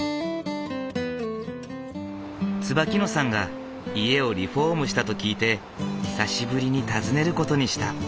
椿野さんが家をリフォームしたと聞いて久しぶりに訪ねる事にした。